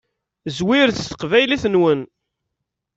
Zwiret seg teqbaylit-nwen.